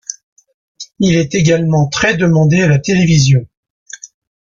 Il est également très demandé à la télévision.